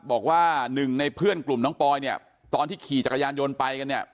บอกว่าหนึ่งในเพื่อนกลุ่มน้องปอยเนี่ยตอนที่ขี่จักรยานยนต์ไปกันเนี่ย